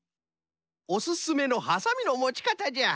おすすめのはさみのもち方じゃ。